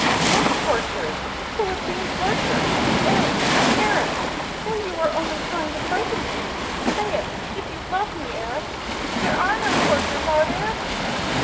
"What tortures? ... Who is being tortured? ... Erik, Erik, say you are only trying to frighten me! ... Say it, if you love me, Erik! ... There are no tortures, are there?"